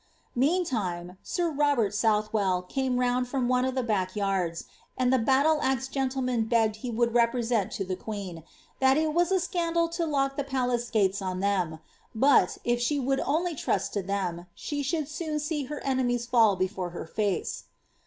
Meantime, sir Robert Southwell came round from one of the back yards, and the battle axe gentlemen begged he would represent to the queen, ^ that it was a scandal to lock the palace gatea on them ; but. if ahe would only trust to them, she should soon see her enemies fall before her fece.''